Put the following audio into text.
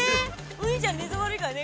お兄ちゃん寝相悪いからね